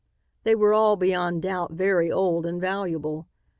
They were all beyond doubt very old and valuable.